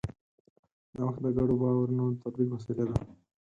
نوښت د ګډو باورونو د تطبیق وسیله ده.